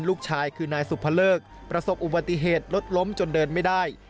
ลูกชายคือนายสุภเลิกประสบอุบัติเหตุรถล้มจนเดินไม่ได้